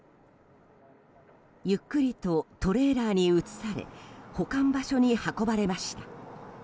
ゆっくりとトレーラーに移され保管場所に運ばれました。